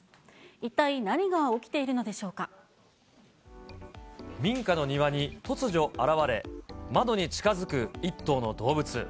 一体、何が起きているのでしょう民家の庭に突如現れ、窓に近づく１頭の動物。